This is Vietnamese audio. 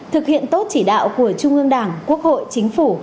thực hiện tốt chỉ đạo của trung ương đảng quốc hội chính phủ